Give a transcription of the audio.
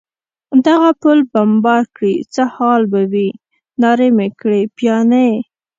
دغه پل بمبار کړي، څه حال به وي؟ نارې مې کړې: پیاني.